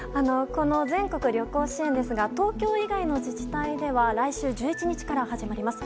全国旅行支援ですが東京以外の自治体では来週１１日から始まります。